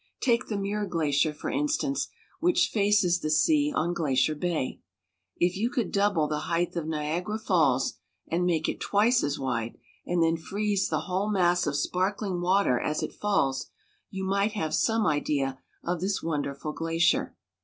Take the Muir Glacier, for instance, which faces the sea on Glacier Bay. If you could double the height of Niag ara Falls, and make it twice as wide, and then freeze the whole mass of sparkling water as it falls, you might have some idea of this wonderful glacier.